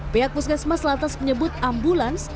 pihak puskesmas lantas menyebut ambulans